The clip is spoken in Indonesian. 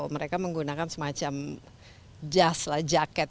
mereka menggunakan semacam jas jaket